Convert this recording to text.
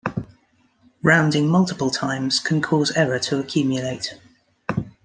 Rounding multiple times can cause error to accumulate.